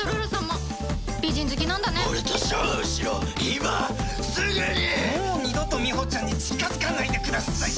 もう二度とみほちゃんに近づかないでください！